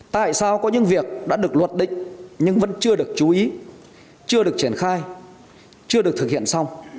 tại sao có những việc đã được luật định nhưng vẫn chưa được chú ý chưa được triển khai chưa được thực hiện xong